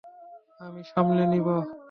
আমি সামলে নিব।